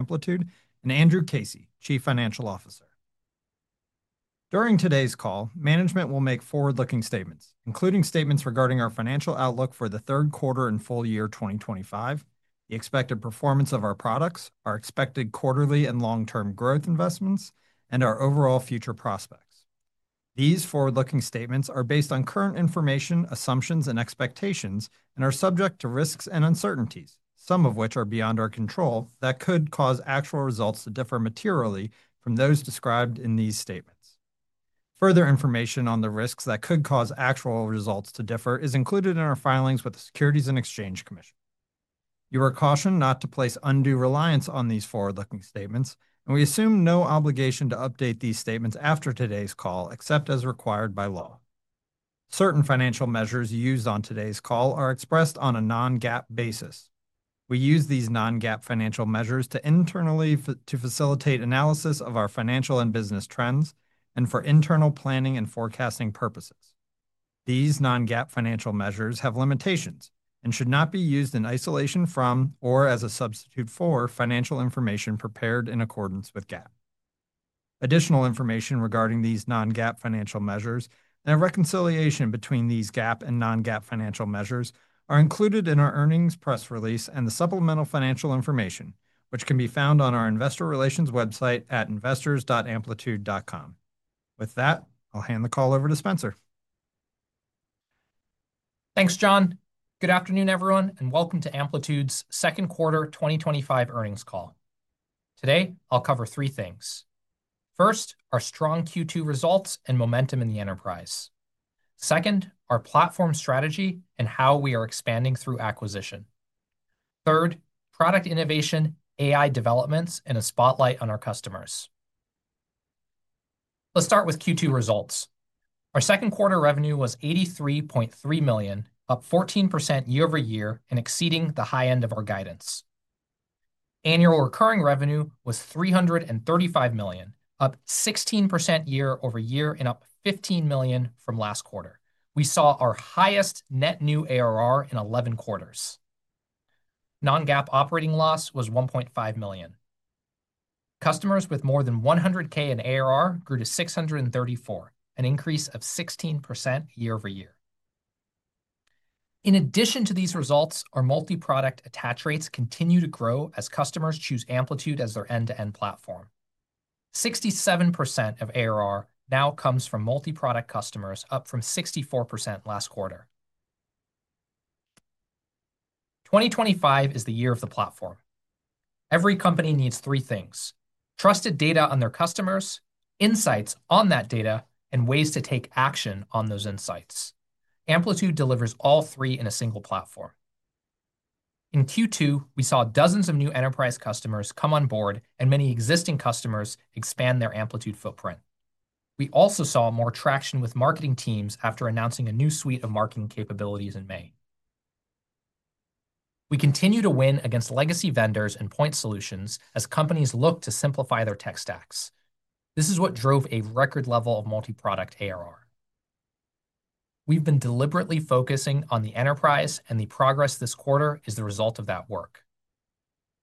Amplitude and Andrew Casey, Chief Financial Officer. During today's call, management will make forward-looking statements, including statements regarding our financial outlook for the third quarter and full year 2025, the expected performance of our products, our expected quarterly and long-term growth investments, and our overall future prospects. These forward-looking statements are based on current information, assumptions, and expectations, and are subject to risks and uncertainties, some of which are beyond our control, that could cause actual results to differ materially from those described in these statements. Further information on the risks that could cause actual results to differ is included in our filings with the Securities and Exchange Commission. You are cautioned not to place undue reliance on these forward-looking statements, and we assume no obligation to update these statements after today's call, except as required by law. Certain financial measures used on today's call are expressed on a non-GAAP basis. We use these non-GAAP financial measures internally to facilitate analysis of our financial and business trends and for internal planning and forecasting purposes. These non-GAAP financial measures have limitations and should not be used in isolation from or as a substitute for financial information prepared in accordance with GAAP. Additional information regarding these non-GAAP financial measures and a reconciliation between these GAAP and non-GAAP financial measures are included in our earnings press release and the supplemental financial information, which can be found on our Investor Relations website at investors.amplitude.com. With that, I'll hand the call over to Spenser. Thanks, John. Good afternoon, everyone, and welcome to Amplitude's second quarter 2025 earnings call. Today, I'll cover three things. First, our strong Q2 results and momentum in the enterprise. Second, our platform strategy and how we are expanding through acquisition. Third, product innovation, AI developments, and a spotlight on our customers. Let's start with Q2 results. Our second quarter revenue was $83.3 million, up 14% year-over-year and exceeding the high end of our guidance. Annual recurring revenue was $335 million, up 16% year-over-year and up $15 million from last quarter. We saw our highest net new ARR in 11 quarters. Non-GAAP operating loss was $1.5 million. Customers with more than $100,000 in ARR grew to 634, an increase of 16% year-over-year. In addition to these results, our multi-product attach rates continue to grow as customers choose Amplitude as their end-to-end platform. 67% of ARR now comes from multi-product customers, up from 64% last quarter. 2025 is the year of the platform. Every company needs three things: trusted data on their customers, insights on that data, and ways to take action on those insights. Amplitude delivers all three in a single platform. In Q2, we saw dozens of new enterprise customers come on board and many existing customers expand their Amplitude footprint. We also saw more traction with marketing teams after announcing a new suite of marketing capabilities in May. We continue to win against legacy vendors and point solutions as companies look to simplify their tech stacks. This is what drove a record level of multi-product ARR. We've been deliberately focusing on the enterprise, and the progress this quarter is the result of that work.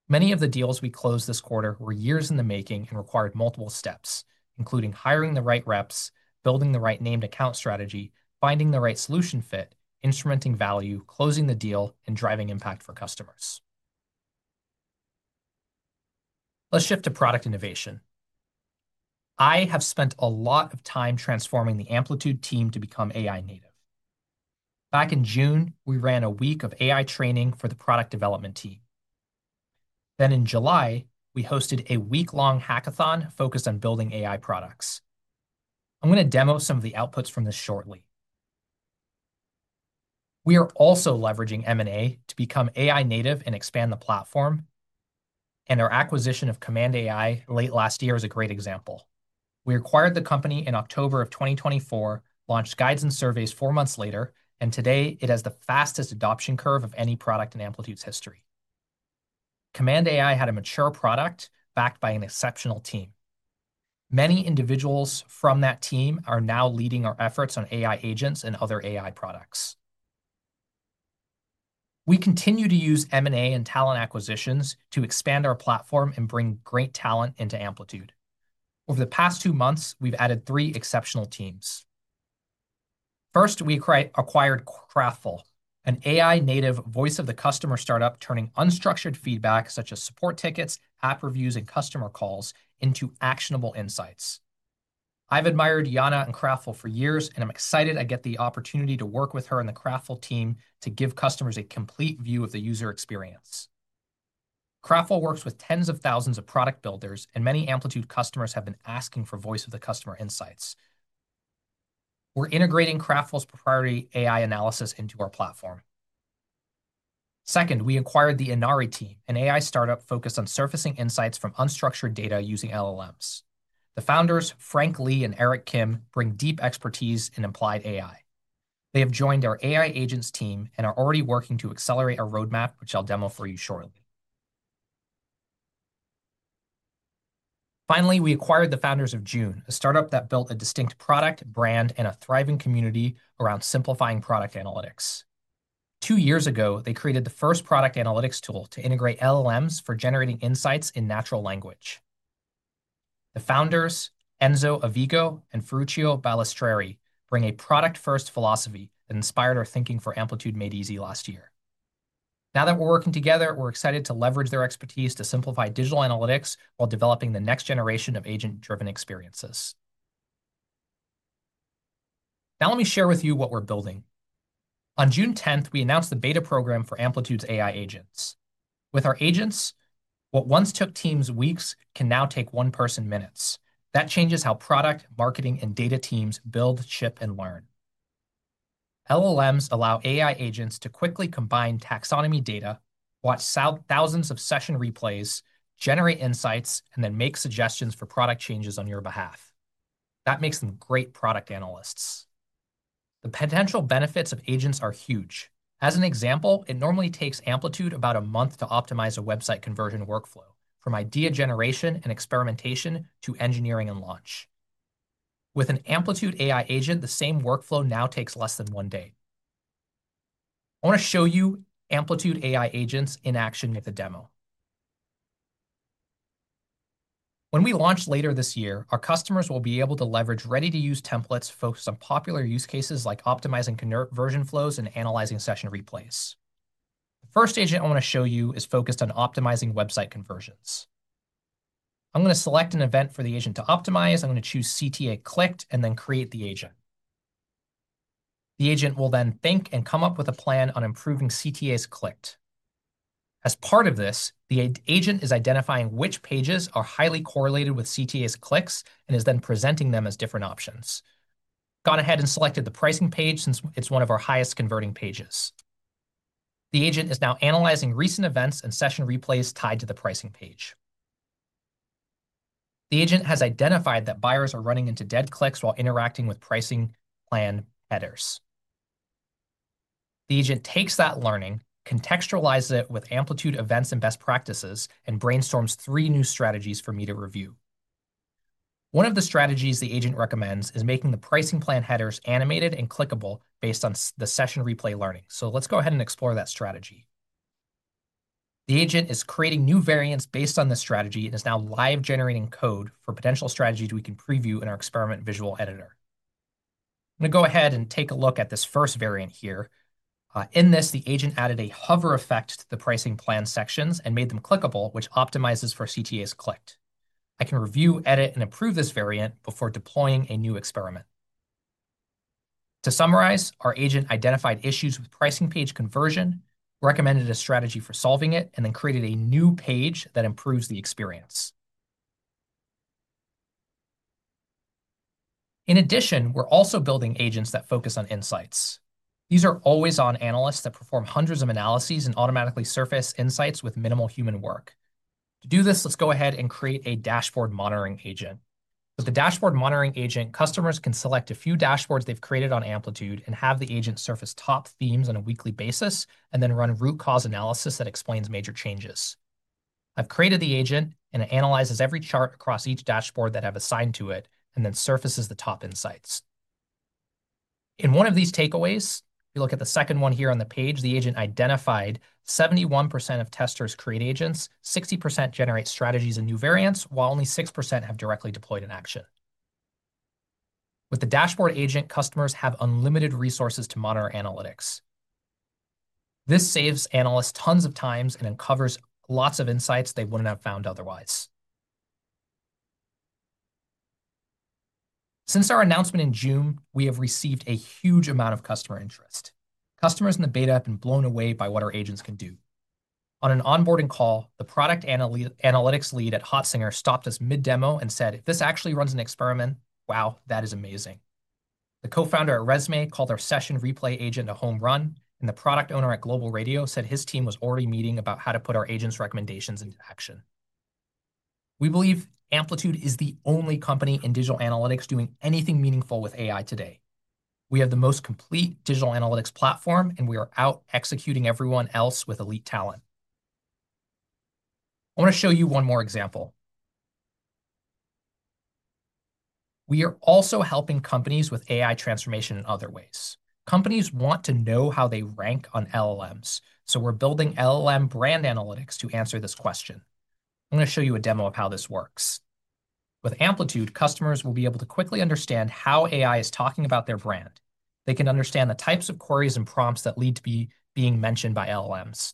Many of the deals we closed this quarter were years in the making and required multiple steps, including hiring the right reps, building the right named account strategy, finding the right solution fit, instrumenting value, closing the deal, and driving impact for customers. Let's shift to product innovation. I have spent a lot of time transforming the Amplitude team to become AI native. Back in June, we ran a week of AI training for the product development team. Then in July, we hosted a week-long hackathon focused on building AI products. I'm going to demo some of the outputs from this shortly. We are also leveraging M&A to become AI native and expand the platform, and our acquisition of Command AI late last year is a great example. We acquired the company in October of 2024, launched Guides and Surveys four months later, and today it has the fastest adoption curve of any product in Amplitude's history. Command AI had a mature product backed by an exceptional team. Many individuals from that team are now leading our efforts on AI agents and other AI products. We continue to use M&A and talent acquisitions to expand our platform and bring great talent into Amplitude. Over the past two months, we've added three exceptional teams. First, we acquired Kraftful, an AI-native voice of the customer start-up, turning unstructured feedback such as support tickets, app reviews, and customer calls into actionable insights. I've admired Yana and Kraftful for years, and I'm excited I get the opportunity to work with her and the Kraftful team to give customers a complete view of the user experience. Kraftful works with tens of thousands of product builders, and many Amplitude customers have been asking for voice of the customer insights. We're integrating Kraftful's proprietary AI analysis into our platform. Second, we acquired the Inari team, an AI start-up focused on surfacing insights from unstructured data using LLMs. The Founders, Frank Lee and Eric Kim, bring deep expertise in applied AI. They have joined our AI agents team and are already working to accelerate our roadmap, which I'll demo for you shortly. Finally, we acquired the Founders of June, a start-up that built a distinct product, brand, and a thriving community around simplifying product analytics. Two years ago, they created the first product analytics tool to integrate LLMs for generating insights in natural language. The Founders, Enzo Avigo and Ferruccio Balestreri, bring a product-first philosophy that inspired our thinking for Amplitude Made Easy last year. Now that we're working together, we're excited to leverage their expertise to simplify digital analytics while developing the next generation of agent-driven experiences. Now let me share with you what we're building. On June 10th, we announced the beta program for Amplitude's AI agents. With our agents, what once took teams weeks can now take one person minutes. That changes how product, marketing, and data teams build, ship, and learn. LLMs allow AI agents to quickly combine taxonomy data, watch thousands of Session Replays, generate insights, and then make suggestions for product changes on your behalf. That makes them great product analysts. The potential benefits of agents are huge. As an example, it normally takes Amplitude about a month to optimize a website conversion workflow, from idea generation and experimentation to engineering and launch. With an Amplitude AI agent, the same workflow now takes less than one day. I want to show you Amplitude AI agents in action with a demo. When we launch later this year, our customers will be able to leverage ready-to-use templates focused on popular use cases like optimizing conversion flows and analyzing Session Replays. The first agent I want to show you is focused on optimizing website conversions. I'm going to select an event for the agent to optimize. I'm going to choose CTA clicked and then create the agent. The agent will then think and come up with a plan on improving CTAs clicked. As part of this, the agent is identifying which pages are highly correlated with CTA's clicks and is then presenting them as different options. I've gone ahead and selected the pricing page since it's one of our highest converting pages. The agent is now analyzing recent events and Session Replays tied to the pricing page. The agent has identified that buyers are running into dead clicks while interacting with pricing plan headers. The agent takes that learning, contextualizes it with Amplitude events and best practices, and brainstorms three new strategies for me to review. One of the strategies the agent recommends is making the pricing plan headers animated and clickable based on the Session Replay learning. Let's go ahead and explore that strategy. The agent is creating new variants based on this strategy and is now live generating code for potential strategies we can preview in our experiment visual editor. I'm going to go ahead and take a look at this first variant here. In this, the agent added a hover effect to the pricing plan sections and made them clickable, which optimizes for CTAs clicked. I can review, edit, and approve this variant before deploying a new experiment. To summarize, our agent identified issues with pricing page conversion, recommended a strategy for solving it, and then created a new page that improves the experience. In addition, we're also building agents that focus on insights. These are always-on analysts that perform hundreds of analyses and automatically surface insights with minimal human work. To do this, let's go ahead and create a dashboard monitoring agent. With the dashboard monitoring agent, customers can select a few dashboards they've created on Amplitude and have the agent surface top themes on a weekly basis, then run root cause analysis that explains major changes. I've created the agent and it analyzes every chart across each dashboard that I've assigned to it and then surfaces the top insights. In one of these takeaways, if you look at the second one here on the page, the agent identified 71% of testers create agents, 60% generate strategies and new variants, while only 6% have directly deployed an action. With the dashboard agent, customers have unlimited resources to monitor analytics. This saves analysts tons of time and uncovers lots of insights they wouldn't have found otherwise. Since our announcement in June, we have received a huge amount of customer interest. Customers in the beta have been blown away by what our agents can do. On an onboarding call, the product analytics lead at Hostinger stopped us mid-demo and said, "This actually runs an experiment. Wow, that is amazing." The Co-founder at ResMed called our Session Replay agent a home run, and the product owner at Global Radio said his team was already meeting about how to put our agent's recommendations into action. We believe Amplitude is the only company in digital analytics doing anything meaningful with AI today. We have the most complete digital analytics platform, and we are out executing everyone else with elite talent. I want to show you one more example. We are also helping companies with AI transformation in other ways. Companies want to know how they rank on LLMs, so we're building LLM Brand Analytics to answer this question. I'm going to show you a demo of how this works. With Amplitude, customers will be able to quickly understand how AI is talking about their brand. They can understand the types of queries and prompts that need to be mentioned by LLMs. If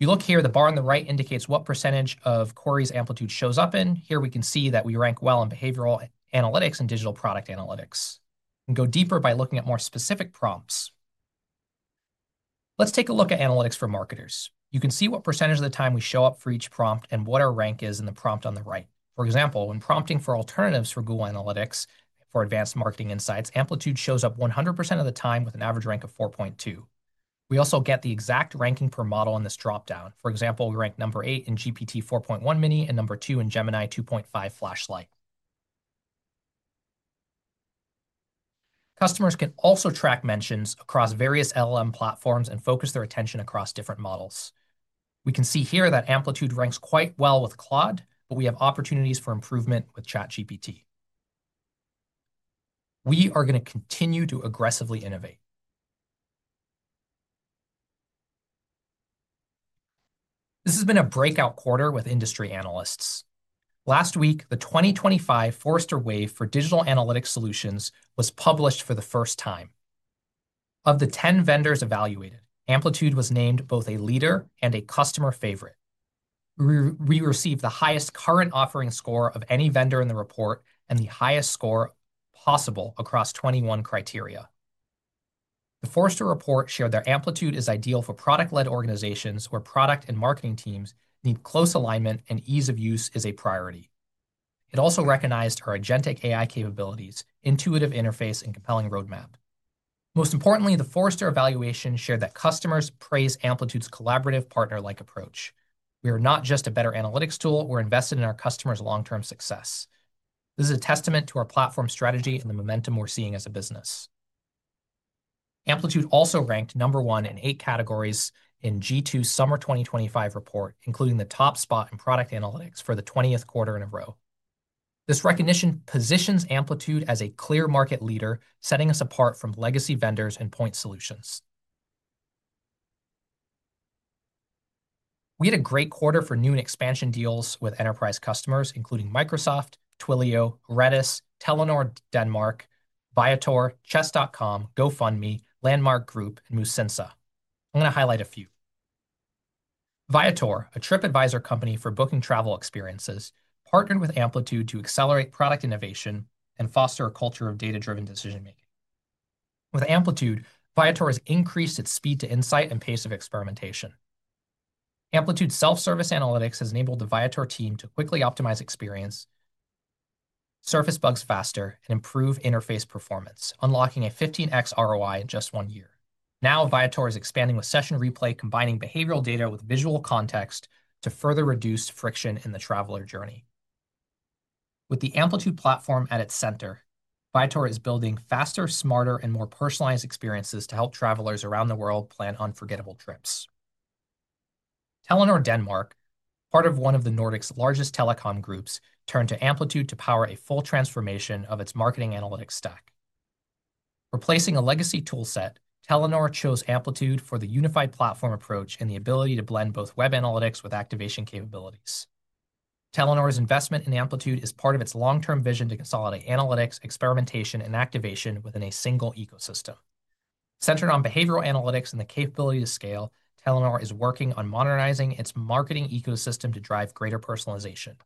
you look here, the bar on the right indicates what percentage of queries Amplitude shows up in. Here we can see that we rank well in behavioral analytics and digital product analytics. We can go deeper by looking at more specific prompts. Let's take a look at analytics for marketers. You can see what percentage of the time we show up for each prompt and what our rank is in the prompt on the right. For example, when prompting for alternatives for Google Analytics for advanced marketing insights, Amplitude shows up 100% of the time with an average rank of 4.2. We also get the exact ranking per model in this dropdown. For example, we rank number eight in GPT-4o mini and number two in Gemini 2.5 Flash-Lite. Customers can also track mentions across various LLM platforms and focus their attention across different models. We can see here that Amplitude ranks quite well with Claude, but we have opportunities for improvement with ChatGPT. We are going to continue to aggressively innovate. This has been a breakout quarter with industry analysts. Last week, the 2025 Forrester Wave for Digital Analytics Solutions was published for the first time. Of the 10 vendors evaluated, Amplitude was named both a leader and a customer favorite. We received the highest current offering score of any vendor in the report and the highest score possible across 21 criteria. The Forrester report showed that Amplitude is ideal for product-led organizations where product and marketing teams need close alignment and ease of use is a priority. It also recognized our agentic AI capabilities, intuitive interface, and compelling roadmap. Most importantly, the Forrester evaluation showed that customers praised Amplitude's collaborative partner-like approach. We are not just a better analytics tool, we're invested in our customers' long-term success. This is a testament to our platform strategy and the momentum we're seeing as a business. Amplitude also ranked number one in eight categories in G2's Summer 2025 report, including the top spot in product analytics for the 20th quarter in a row. This recognition positions Amplitude as a clear market leader, setting us apart from legacy vendors and point solutions. We had a great quarter for new and expansion deals with enterprise customers, including Microsoft, Twilio, Redis, Telenor Denmark, Viator, Chess.com, GoFundMe, Landmark Group, and MUSINSA. I'm going to highlight a few. Viator, a Tripadvisor company for booking travel experiences, partnered with Amplitude to accelerate product innovation and foster a culture of data-driven decision-making. With Amplitude, Viator has increased its speed to insight and pace of experimentation. Amplitude's self-service analytics has enabled the Viator team to quickly optimize experience, surface bugs faster, and improve interface performance, unlocking a 15x ROI in just one year. Now, Viator is expanding with Session Replay, combining behavioral data with visual context to further reduce friction in the traveler journey. With the Amplitude platform at its center, Viator is building faster, smarter, and more personalized experiences to help travelers around the world plan unforgettable trips. Telenor Denmark, part of one of the Nordics' largest telecom groups, turned to Amplitude to power a full transformation of its marketing analytics stack. Replacing a legacy toolset, Telenor chose Amplitude for the unified platform approach and the ability to blend both web analytics with activation capabilities. Telenor's investment in Amplitude is part of its long-term vision to consolidate analytics, experimentation, and activation within a single ecosystem. Centered on behavioral analytics and the capability to scale, Telenor is working on modernizing its marketing ecosystem to drive greater personalization.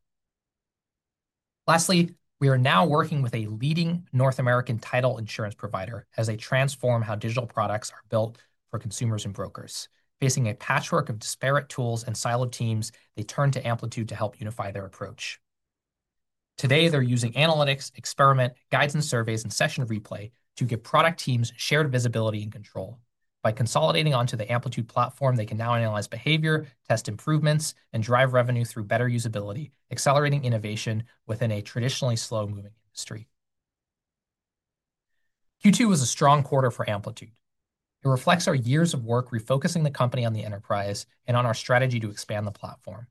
Lastly, we are now working with a leading North American title insurance provider as they transform how digital products are built for consumers and brokers. Facing a patchwork of disparate tools and siloed teams, they turn to Amplitude to help unify their approach. Today, they're using Analytics, Experiment, Guides and Surveys, and Session Replay to give product teams shared visibility and control. By consolidating onto the Amplitude platform, they can now analyze behavior, test improvements, and drive revenue through better usability, accelerating innovation within a traditionally slow-moving industry. Q2 was a strong quarter for Amplitude. It reflects our years of work refocusing the company on the enterprise and on our strategy to expand the platform.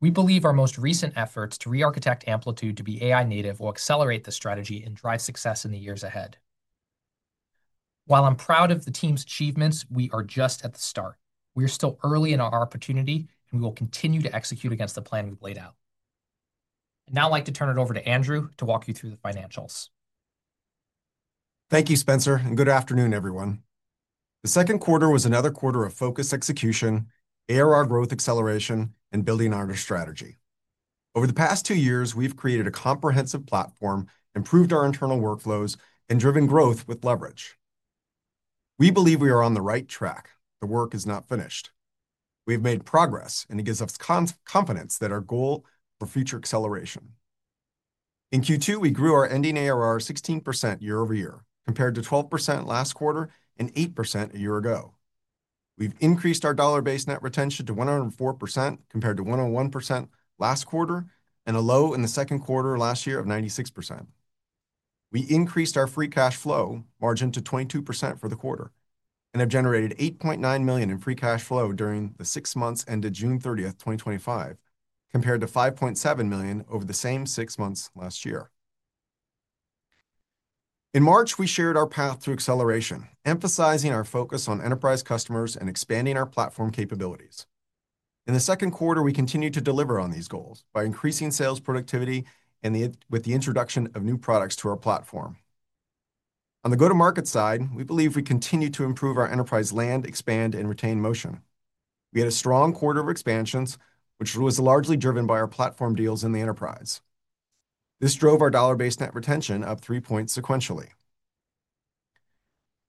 We believe our most recent efforts to re-architect Amplitude to be AI-native will accelerate this strategy and drive success in the years ahead. While I'm proud of the team's achievements, we are just at the start. We are still early in our opportunity, and we will continue to execute against the plan we've laid out. I'd now like to turn it over to Andrew to walk you through the financials. Thank you, Spenser, and good afternoon, everyone. The second quarter was another quarter of focused execution, ARR growth acceleration, and building on our strategy. Over the past two years, we've created a comprehensive platform, improved our internal workflows, and driven growth with leverage. We believe we are on the right track. The work is not finished. We've made progress, and it gives us confidence that our goal for future acceleration. In Q2, we grew our ending ARR 16% year-over-year, compared to 12% last quarter and 8% a year ago. We've increased our Dollar-Based Net Retention to 104% compared to 101% last quarter and a low in the second quarter last year of 96%. We increased our Free Cash Flow Margin to 22% for the quarter and have generated $8.9 million in free cash flow during the six months ended June 30, 2025, compared to $5.7 million over the same six months last year. In March, we shared our path through acceleration, emphasizing our focus on enterprise customers and expanding our platform capabilities. In the second quarter, we continued to deliver on these goals by increasing sales productivity and with the introduction of new products to our platform. On the go-to-market side, we believe we continue to improve our enterprise land, expand, and retain motion. We had a strong quarter of expansions, which was largely driven by our platform deals in the enterprise. This drove our Dollar-Based Net Retention up 3 points sequentially.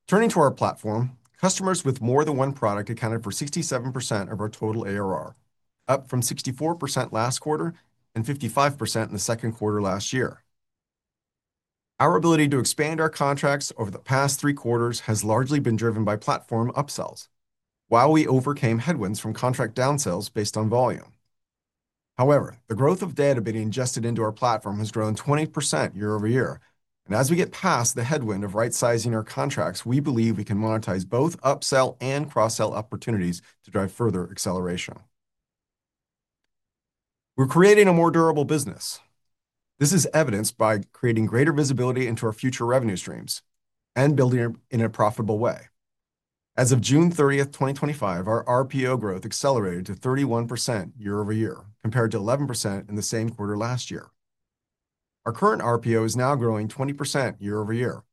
Turning to our platform, customers with more than one product accounted for 67% of our total ARR, up from 64% last quarter and 55% in the second quarter last year. Our ability to expand our contracts over the past three quarters has largely been driven by platform upsells, while we overcame headwinds from contract downsells based on volume. However, the growth of data being ingested into our platform has grown 20% year-over-year, and as we get past the headwind of right-sizing our contracts, we believe we can monetize both upsell and cross-sell opportunities to drive further acceleration. We're creating a more durable business. This is evidenced by creating greater visibility into our future revenue streams and building in a profitable way. As of June 30, 2025, our RPO growth accelerated to 31% year-over-year, compared to 11% in the same quarter last year. Our current RPO is now growing 20% year-over year,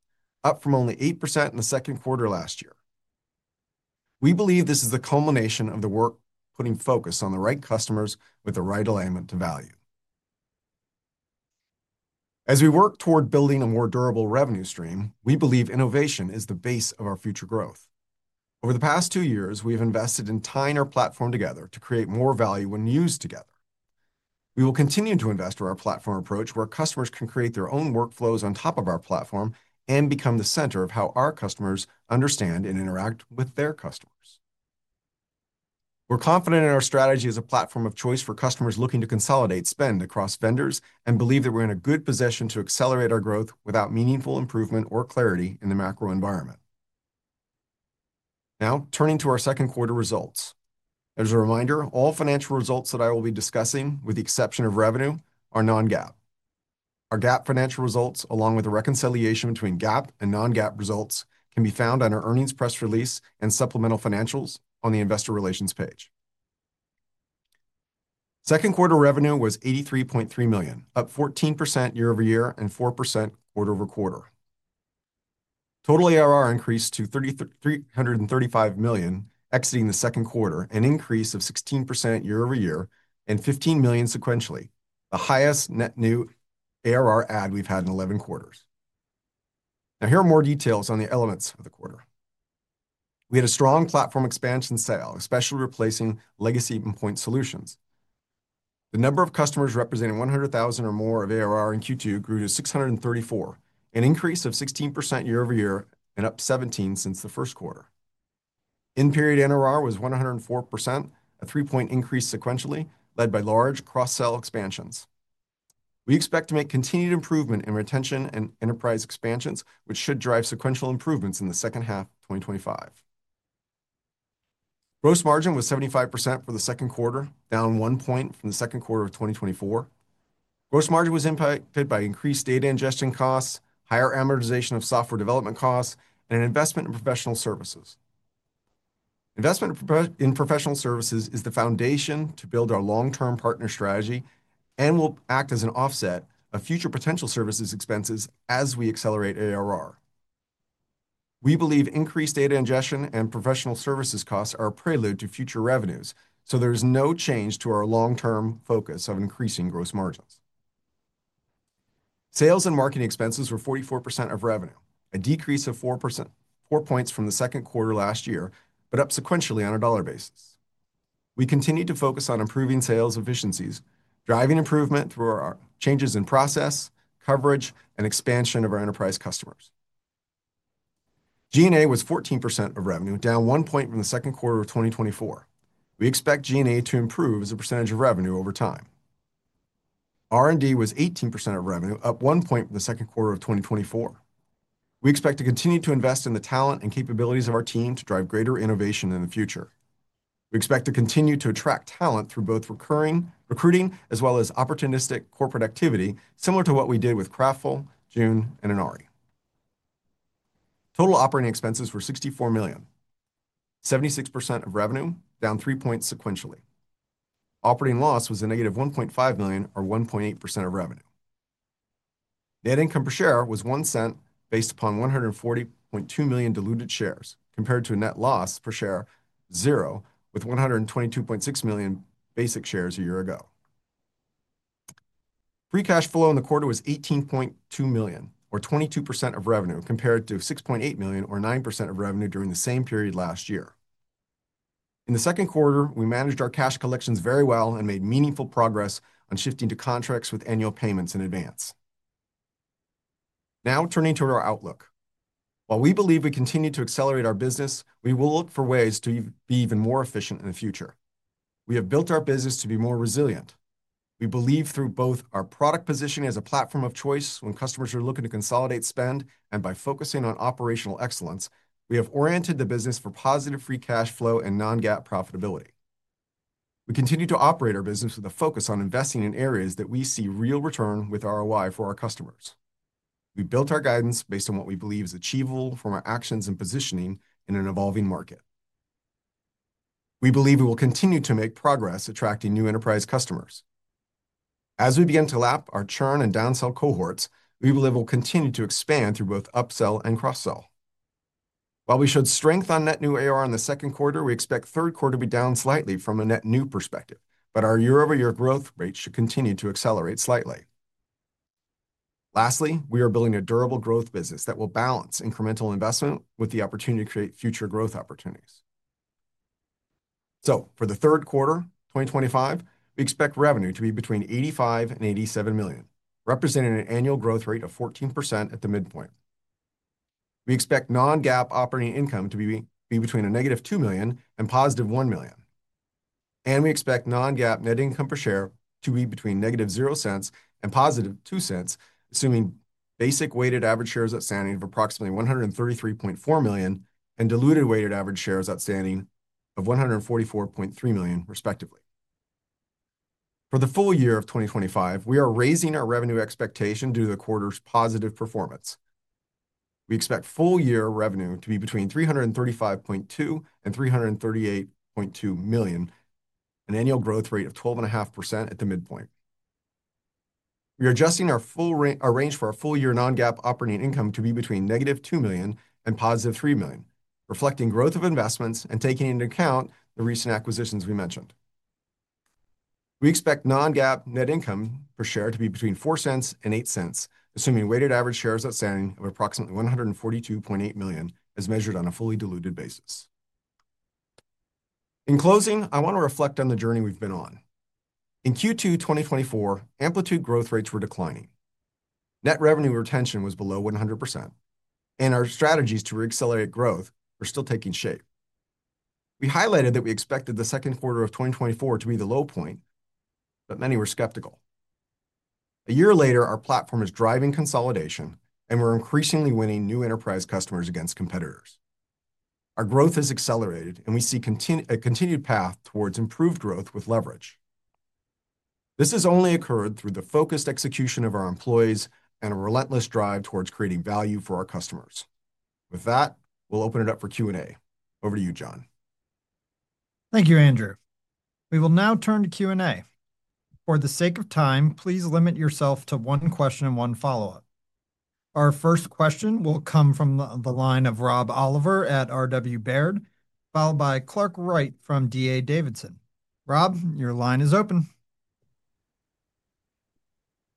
up from only 8% in the second quarter last year. We believe this is the culmination of the work, putting focus on the right customers with the right alignment to value. As we work toward building a more durable revenue stream, we believe innovation is the base of our future growth. Over the past two years, we have invested in tying our platform together to create more value when used together. We will continue to invest in our platform approach, where customers can create their own workflows on top of our platform and become the center of how our customers understand and interact with their customers. We're confident in our strategy as a platform of choice for customers looking to consolidate spend across vendors and believe that we're in a good position to accelerate our growth without meaningful improvement or clarity in the macro environment. Now, turning to our second quarter results. As a reminder, all financial results that I will be discussing, with the exception of revenue, are non-GAAP. Our GAAP financial results, along with the reconciliation between GAAP and non-GAAP results, can be found on our earnings press release and supplemental financials on the Investor Relations page. Second quarter revenue was $83.3 million, up 14% year-over-year and 4% quarter-over-quarter. Total ARR increased to $335 million, exiting the second quarter, an increase of 16% year-over-year and $15 million sequentially, the highest net new ARR add we've had in 11 quarters. Now, here are more details on the elements of the quarter. We had a strong platform expansion set out, especially replacing legacy and point solutions. The number of customers representing $100,000 or more of ARR in Q2 grew to 634, an increase of 16% year-over-year and up 17% since the first quarter. End-period NRR was 104%, a 3 point increase sequentially, led by large cross-sell expansions. We expect to make continued improvement in retention and enterprise expansions, which should drive sequential improvements in the second half of 2025. Gross margin was 75% for the second quarter, down 1 point from the second quarter of 2024. Gross margin was impacted by increased data ingestion costs, higher amortization of software development costs, and an investment in professional services. Investment in professional services is the foundation to build our long-term partner strategy and will act as an offset of future potential services expenses as we accelerate ARR. We believe increased data ingestion and professional services costs are a prelude to future revenues, so there is no change to our long-term focus of increasing gross margins. Sales and marketing expenses were 44% of revenue, a decrease of 4%, 4 points from the second quarter last year, but up sequentially on a dollar basis. We continue to focus on improving sales efficiency, driving improvement through our changes in process, coverage, and expansion of our enterprise customers. G&A was 14% of revenue, down 1 point from the second quarter of 2024. We expect G&A to improve as a percentage of revenue over time. R&D was 18% of revenue, up 1 point from the second quarter of 2024. We expect to continue to invest in the talent and capabilities of our team to drive greater innovation in the future. We expect to continue to attract talent through both recurring recruiting as well as opportunistic corporate activity, similar to what we did with Kraftful, June, and Inari. Total operating expenses were $64 million, 76% of revenue, down 3 points sequentially. Operating loss was a -$1.5 million, or 1.8% of revenue. Net income per share was $0.01 based upon 140.2 million diluted shares, compared to a net loss per share of $0.00 with 122.6 million basic shares a year ago. Free cash flow in the quarter was $18.2 million, or 22% of revenue, compared to $6.8 million, or 9% of revenue during the same period last year. In the second quarter, we managed our cash collections very well and made meaningful progress on shifting to contracts with annual payments in advance. Now, turning to our outlook. While we believe we continue to accelerate our business, we will look for ways to be even more efficient in the future. We have built our business to be more resilient. We believe through both our product positioning as a platform of choice when customers are looking to consolidate spend and by focusing on operational excellence, we have oriented the business for positive free cash flow and non-GAAP profitability. We continue to operate our business with a focus on investing in areas that we see real return with ROI for our customers. We built our guidance based on what we believe is achievable from our actions and positioning in an evolving market. We believe we will continue to make progress attracting new enterprise customers. As we begin to lap our churn and downsell cohorts, we believe we'll continue to expand through both upsell and cross-sell. While we showed strength on net new ARR in the second quarter, we expect the third quarter to be down slightly from a net new perspective, but our year-over-year growth rate should continue to accelerate slightly. Lastly, we are building a durable growth business that will balance incremental investment with the opportunity to create future growth opportunities. For the third quarter, 2025, we expect revenue to be between $85 million and $87 million, representing an annual growth rate of 14% at the midpoint. We expect non-GAAP operating income to be between -$2 million and +$1 million. We expect non-GAAP net income per share to be between -$0.00 and +$0.02, assuming basic weighted average shares outstanding of approximately 133.4 million and diluted weighted average shares outstanding of 144.3 million, respectively. For the full year of 2025, we are raising our revenue expectation due to the quarter's positive performance. We expect full-year revenue to be between $335.2 million and $338.2 million, an annual growth rate of 12.5% at the midpoint. We are adjusting our range for our full-year non-GAAP operating income to be between -$2 million and +$3 million, reflecting growth of investments and taking into account the recent acquisitions we mentioned. We expect non-GAAP net income per share to be between $0.04 and $0.08, assuming weighted average shares outstanding of approximately 142.8 million, as measured on a fully diluted basis. In closing, I want to reflect on the journey we've been on. In Q2 2024, Amplitude growth rates were declining. Net revenue retention was below 100%, and our strategies to re-accelerate growth were still taking shape. We highlighted that we expected the second quarter of 2024 to be the low point, but many were skeptical. A year later, our platform is driving consolidation, and we're increasingly winning new enterprise customers against competitors. Our growth has accelerated, and we see a continued path towards improved growth with leverage. This has only occurred through the focused execution of our employees and a relentless drive towards creating value for our customers. With that, we'll open it up for Q&A. Over to you, John. Thank you, Andrew. We will now turn to Q&A. For the sake of time, please limit yourself to one question and one follow-up. Our first question will come from the line of Rob Oliver at R.W. Baird, followed by Clark Wright from D.A. Davidson. Rob, your line is open.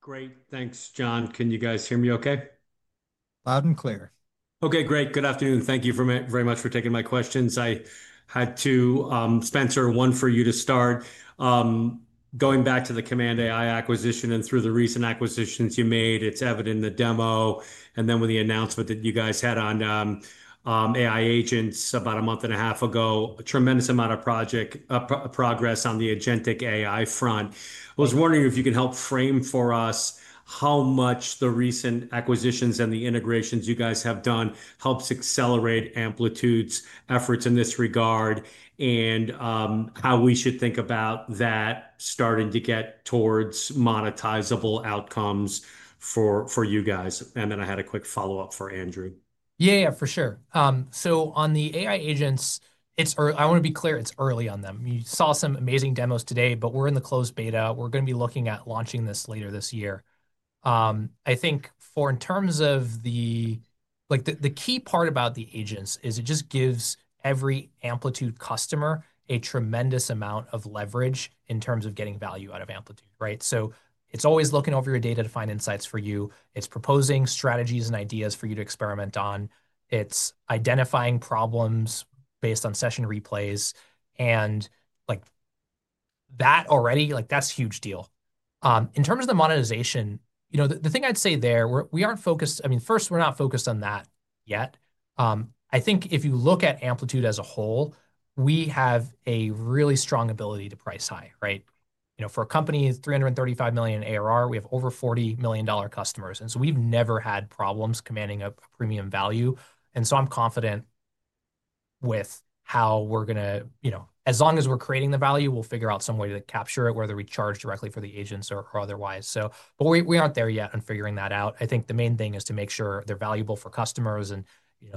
Great, thanks, John. Can you guys hear me okay? Loud and clear. Okay, great. Good afternoon. Thank you very much for taking my questions. I had two. Spenser, one for you to start. Going back to the Command AI acquisition and through the recent acquisitions you made, it's evident in the demo and then with the announcement that you guys had on AI agents about a month and a half ago, a tremendous amount of project progress on the Agentic AI front. I was wondering if you could help frame for us how much the recent acquisitions and the integrations you guys have done helped accelerate Amplitude's efforts in this regard and how we should think about that starting to get towards monetizable outcomes for you guys. I had a quick follow-up for Andrew. Yeah, for sure. On the AI agents, I want to be clear, it's early on them. You saw some amazing demos today, but we're in the closed beta. We're going to be looking at launching this later this year. I think in terms of the key part about the agents, it just gives every Amplitude customer a tremendous amount of leverage in terms of getting value out of Amplitude, right? It's always looking over your data to find insights for you. It's proposing strategies and ideas for you to experiment on. It's identifying problems based on Session Replays. That already, that's a huge deal. In terms of the monetization, the thing I'd say there, we aren't focused, I mean, first, we're not focused on that yet. I think if you look at Amplitude as a whole, we have a really strong ability to price high, right? For a company, $335 million ARR, we have over $40 million customers. We've never had problems commanding a premium value. I'm confident with how we're going to, as long as we're creating the value, we'll figure out some way to capture it, whether we charge directly for the agents or otherwise. We aren't there yet on figuring that out. I think the main thing is to make sure they're valuable for customers and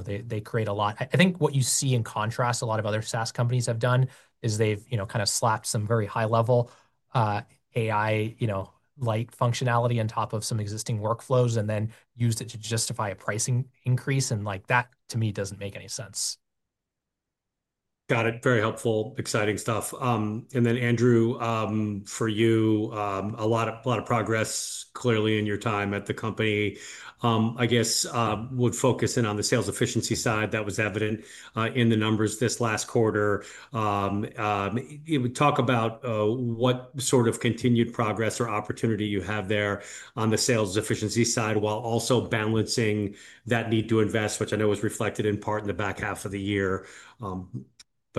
they create a lot. I think what you see in contrast, a lot of other SaaS companies have done is they've kind of slapped some very high-level AI-like functionality on top of some existing workflows and then used it to justify a pricing increase. That, to me, doesn't make any sense. Got it. Very helpful, exciting stuff. Andrew, for you, a lot of progress clearly in your time at the company. I guess we'll focus in on the sales efficiency side. That was evident in the numbers this last quarter. Could you talk about what sort of continued progress or opportunity you have there on the sales efficiency side while also balancing that need to invest, which I know was reflected in part in the back half of the year?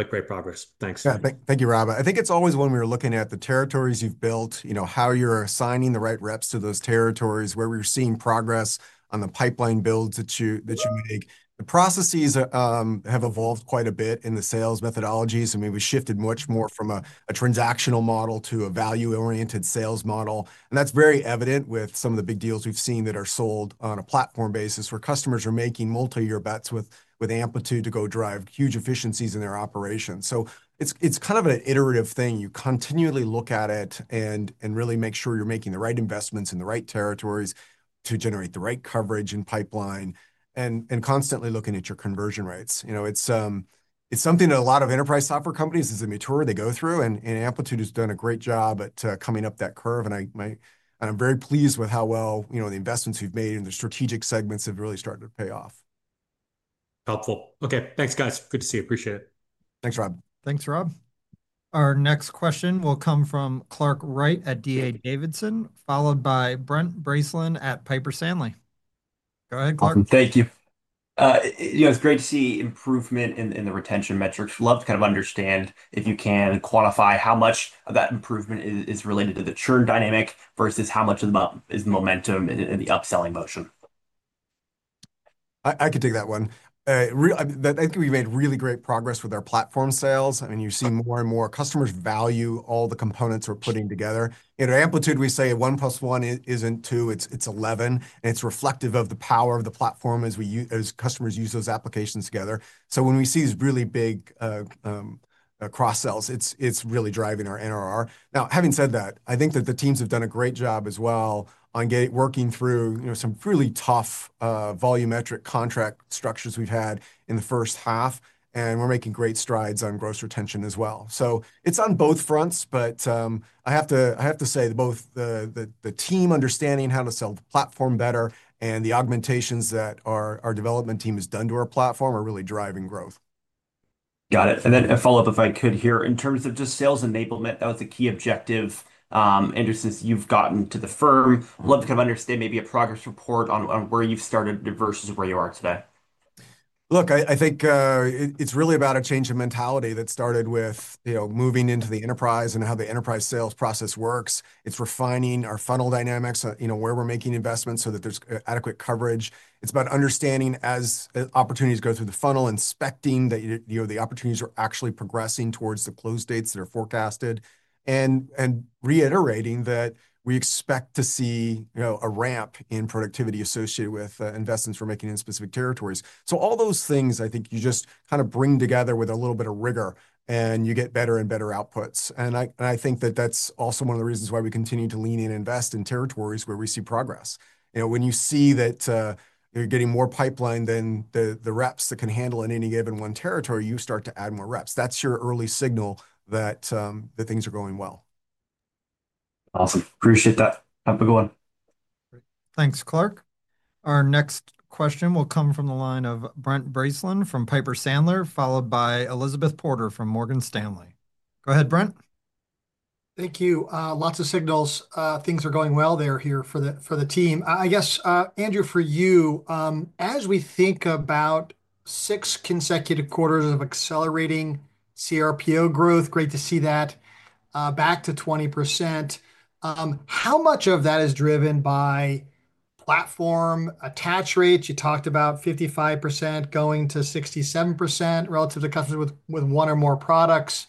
Great progress. Thanks. Thank you, Rob. I think it's always when we were looking at the territories you've built, you know, how you're assigning the right reps to those territories, where we were seeing progress on the pipeline builds that you make. The processes have evolved quite a bit in the sales methodologies. I mean, we shifted much more from a transactional model to a value-oriented sales model. That's very evident with some of the big deals we've seen that are sold on a platform basis where customers are making multi-year bets with Amplitude to go drive huge efficiencies in their operations. It's kind of an iterative thing. You continually look at it and really make sure you're making the right investments in the right territories to generate the right coverage and pipeline and constantly looking at your conversion rates. It's something that a lot of enterprise software companies, as they mature, they go through. Amplitude has done a great job at coming up that curve. I'm very pleased with how well, you know, the investments we've made in the strategic segments have really started to pay off. Helpful. Okay, thanks, guys. Good to see you. Appreciate it. Thanks, Rob. Thanks, Rob. Our next question will come from Clark Wright at D.A. Davidson, followed by Brent Bracelin at Piper Sandler. Go ahead, Clark. Thank you. It's great to see improvement in the retention metrics. Love to kind of understand if you can quantify how much of that improvement is related to the churn dynamic versus how much of the momentum in the upselling motion. I could take that one. I think we've made really great progress with our platform sales. You see more and more customers value all the components we're putting together. At Amplitude, we say 1 + 1 isn't 2. It's 11, and it's reflective of the power of the platform as customers use those applications together. When we see these really big cross-sells, it's really driving our NRR. Having said that, I think that the teams have done a great job as well on working through some really tough volumetric contract structures we've had in the first half. We're making great strides on gross retention as well. It's on both fronts, but I have to say that both the team understanding how to sell the platform better and the augmentations that our development team has done to our platform are really driving growth. Got it. A follow-up, if I could, here, in terms of just sales enablement. That was the key objective, Andrew, since you've gotten to the firm. I'd love to kind of understand maybe a progress report on where you've started versus where you are today. I think it's really about a change in mentality that started with moving into the enterprise and how the enterprise sales process works. It's refining our funnel dynamics, where we're making investments so that there's adequate coverage. It's about understanding as opportunities go through the funnel, inspecting that the opportunities are actually progressing towards the close dates that are forecasted, and reiterating that we expect to see a ramp in productivity associated with investments we're making in specific territories. All those things, I think you just kind of bring together with a little bit of rigor, and you get better and better outputs. I think that that's also one of the reasons why we continue to lean in and invest in territories where we see progress. When you see that you're getting more pipeline than the reps that can handle in any given one territory, you start to add more reps. That's your early signal that things are going well. Awesome. Appreciate that. Have a good one. Thanks, Clark. Our next question will come from the line of Brent Bracelin from Piper Sandler, followed by Elizabeth Porter from Morgan Stanley. Go ahead, Brent. Thank you. Lots of signals. Things are going well here for the team. I guess, Andrew, for you, as we think about six consecutive quarters of accelerating CRPO growth, great to see that back to 20%. How much of that is driven by platform attach rates? You talked about 55% going to 67% relative to customers with one or more products.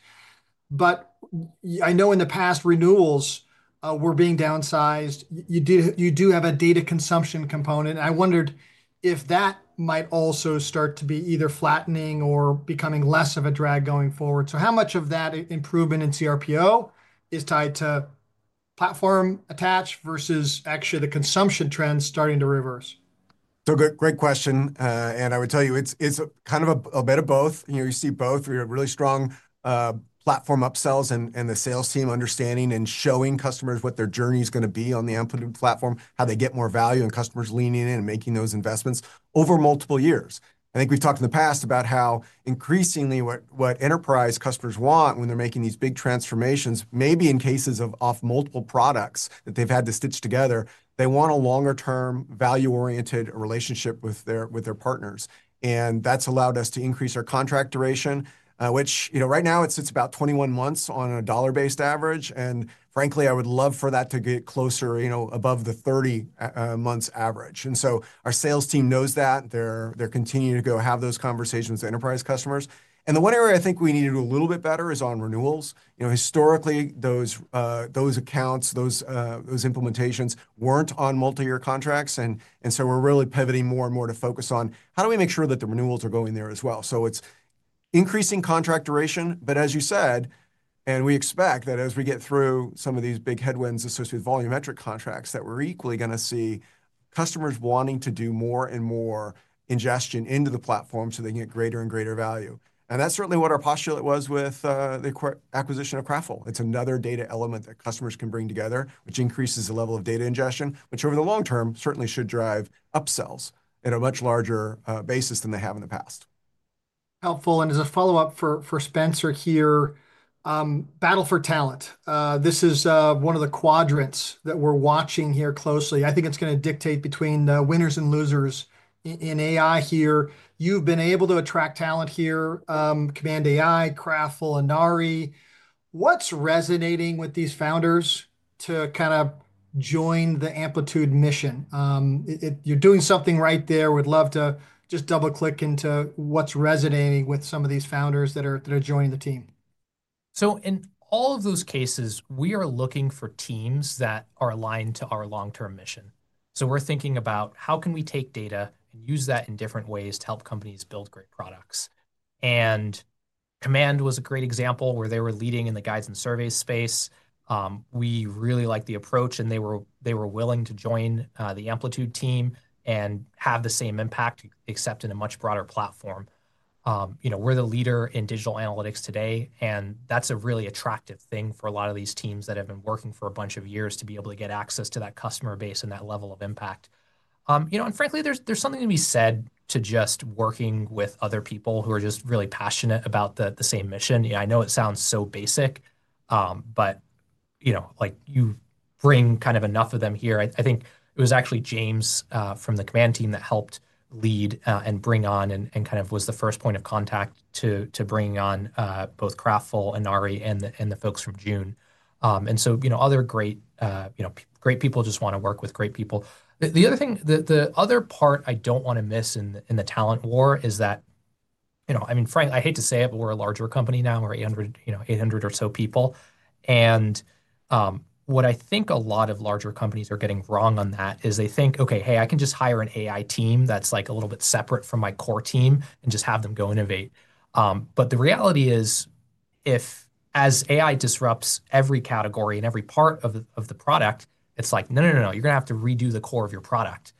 I know in the past, renewals were being downsized. You do have a data consumption component. I wondered if that might also start to be either flattening or becoming less of a drag going forward. How much of that improvement in CRPO is tied to platform attach versus actually the consumption trends starting to reverse? Great question. I would tell you, it's kind of a bit of both. You see both. We have really strong platform upsells and the sales team understanding and showing customers what their journey is going to be on the Amplitude platform, how they get more value, and customers leaning in and making those investments over multiple years. I think we've talked in the past about how increasingly what enterprise customers want when they're making these big transformations, maybe in cases of multiple products that they've had to stitch together, they want a longer-term value-oriented relationship with their partners. That's allowed us to increase our contract duration, which, right now, is about 21 months on a dollar-based average. Frankly, I would love for that to get closer, above the 30 months average. Our sales team knows that. They're continuing to go have those conversations with enterprise customers. The one area I think we need to do a little bit better is on renewals. Historically, those accounts, those implementations weren't on multi-year contracts. We're really pivoting more and more to focus on how do we make sure that the renewals are going there as well. It's increasing contract duration. As you said, we expect that as we get through some of these big headwinds associated with volumetric contracts, we're equally going to see customers wanting to do more and more ingestion into the platform so they can get greater and greater value. That's certainly what our postulate was with the acquisition of Kraftful. It's another data element that customers can bring together, which increases the level of data ingestion, which over the long-term certainly should drive upsells at a much larger basis than they have in the past. Helpful. As a follow-up for Spenser here, battle for talent. This is one of the quadrants that we're watching here closely. I think it's going to dictate between the winners and losers in AI here. You've been able to attract talent here, Command AI, Kraftful, Inari. What's resonating with these Founders to kind of join the Amplitude mission? You're doing something right there. We'd love to just double-click into what's resonating with some of these Founders that are joining the team. In all of those cases, we are looking for teams that are aligned to our long-term mission. We are thinking about how we can take data and use that in different ways to help companies build great products. Command was a great example where they were leading in the Guides and Surveys space. We really liked the approach, and they were willing to join the Amplitude team and have the same impact, except in a much broader platform. We are the leader in digital analytics today, and that's a really attractive thing for a lot of these teams that have been working for a bunch of years to be able to get access to that customer base and that level of impact. Frankly, there's something to be said to just working with other people who are just really passionate about the same mission. I know it sounds so basic, but you bring kind of enough of them here. I think it was actually James from the Command team that helped lead and bring on and kind of was the first point of contact to bring on both Kraftful, Inari, and the folks from June. Other great people just want to work with great people. The other part I don't want to miss in the talent war is that, I mean, [Frank], I hate to say it, but we're a larger company now. We're 800, you know, 800 or so people. What I think a lot of larger companies are getting wrong on that is they think, okay, hey, I can just hire an AI team that's like a little bit separate from my core team and just have them go innovate. The reality is, if as AI disrupts every category and every part of the product, it's like, no, no, no, no, you're going to have to redo the core of your product.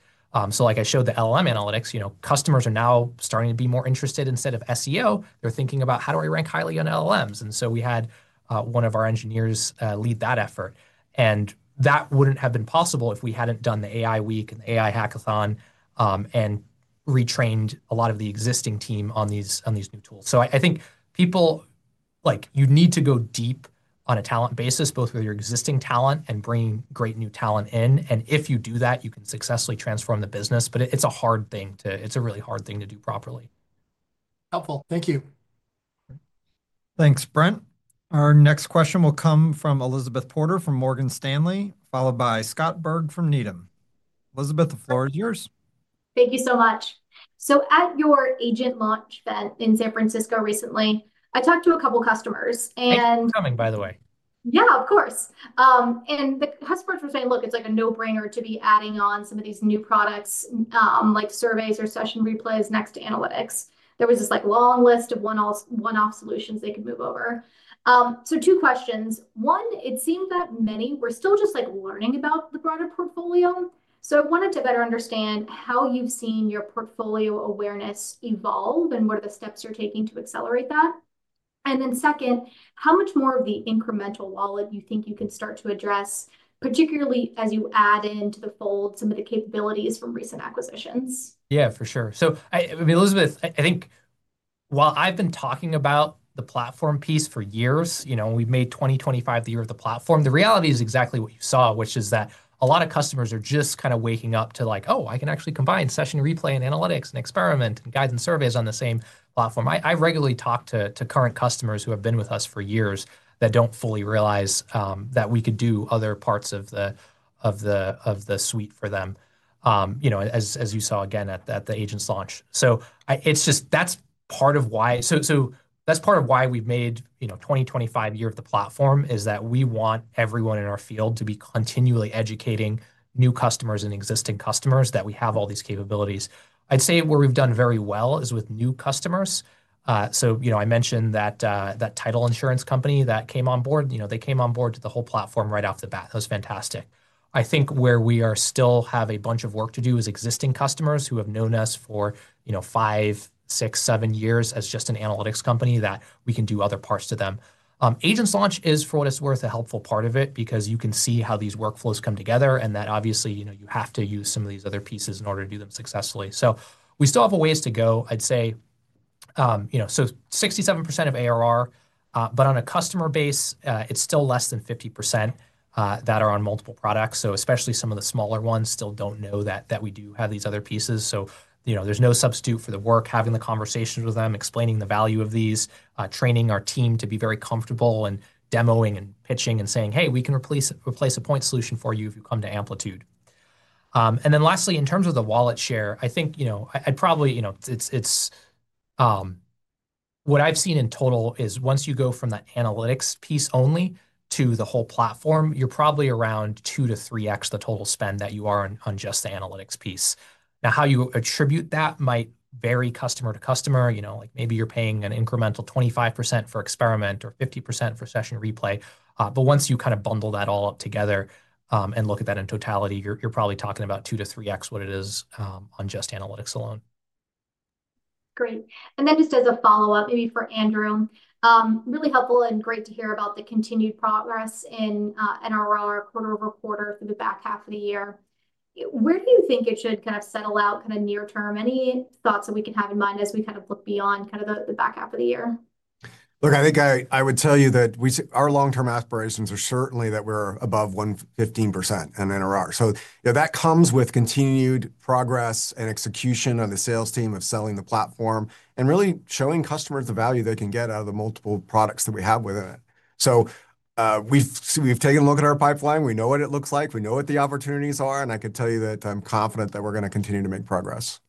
Like I showed the LLM analytics, customers are now starting to be more interested instead of SEO. They're thinking about how do I rank highly on LLMs. We had one of our engineers lead that effort. That wouldn't have been possible if we hadn't done the AI week and the AI hackathon and retrained a lot of the existing team on these new tools. I think people, like you need to go deep on a talent basis, both with your existing talent and bringing great new talent in. If you do that, you can successfully transform the business. It's a hard thing to, it's a really hard thing to do properly. Helpful. Thank you. Thanks, Brent. Our next question will come from Elizabeth Porter from Morgan Stanley, followed by Scott Berg from Needham. Elizabeth, the floor is yours. Thank you so much. At your agent launch event in San Francisco recently, I talked to a couple of customers. Thanks for coming, by the way. Of course. The customers were saying, look, it's like a no-brainer to be adding on some of these new products, like Surveys or Session Replays next to analytics. There was this long list of one-off solutions they could move over. Two questions. One, it seemed that many were still just learning about the broader portfolio. I wanted to better understand how you've seen your portfolio awareness evolve and what are the steps you're taking to accelerate that. Second, how much more of the incremental wallet do you think you can start to address, particularly as you add into the fold some of the capabilities from recent acquisitions? Yeah, for sure. I mean, Elizabeth, I think while I've been talking about the platform piece for years, we've made 2025 the year of the platform. The reality is exactly what you saw, which is that a lot of customers are just kind of waking up to like, oh, I can actually combine Session Replay and Analytics and Experiment and Guides and Surveys on the same platform. I regularly talk to current customers who have been with us for years that don't fully realize that we could do other parts of the suite for them, as you saw again at the agents launch. That's part of why we've made 2025 the year of the platform, because we want everyone in our field to be continually educating new customers and existing customers that we have all these capabilities. I'd say where we've done very well is with new customers. I mentioned that title insurance company that came on board; they came on board to the whole platform right off the bat. That was fantastic. I think where we still have a bunch of work to do is existing customers who have known us for five, six, seven years as just an analytics company, that we can do other parts for them. Agents launch is, for what it's worth, a helpful part of it because you can see how these workflows come together and that obviously you have to use some of these other pieces in order to do them successfully. We still have a ways to go. I'd say 67% of ARR, but on a customer base, it's still less than 50% that are on multiple products. Especially some of the smaller ones still don't know that we do have these other pieces. There's no substitute for the work, having the conversations with them, explaining the value of these, training our team to be very comfortable and demoing and pitching and saying, hey, we can replace a point solution for you if you come to Amplitude. Lastly, in terms of the wallet share, what I've seen in total is once you go from that analytics piece only to the whole platform, you're probably around 2x-3x the total spend that you are on just the analytics piece. How you attribute that might vary customer to customer, like maybe you're paying an incremental 25% for experiment or 50% for Session Replay. Once you kind of bundle that all up together and look at that in totality, you're probably talking about 2x-3x what it is on just analytics alone. Great. Just as a follow-up, maybe for Andrew, really helpful and great to hear about the continued progress in NRR quarter-over-quarter for the back half of the year. Where do you think it should kind of settle out near-term? Any thoughts that we can have in mind as we kind of look beyond the back half of the year? I think I would tell you that our long-term aspirations are certainly that we're above 15% in NRR. That comes with continued progress and execution on the sales team of selling the platform and really showing customers the value they can get out of the multiple products that we have within it. We've taken a look at our pipeline. We know what it looks like. We know what the opportunities are. I could tell you that I'm confident that we're going to continue to make progress.